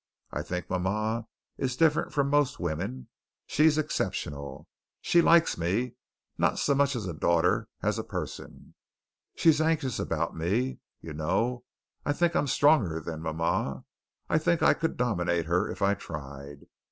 I think mama is different from most women she's exceptional. She likes me, not so much as a daughter as a person. She's anxious about me. You know, I think I'm stronger than mama. I think I could dominate her if I tried.